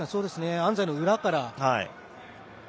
安西の裏から。